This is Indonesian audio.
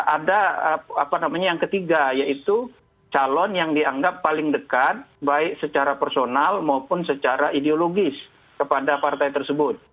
ada apa namanya yang ketiga yaitu calon yang dianggap paling dekat baik secara personal maupun secara ideologis kepada partai tersebut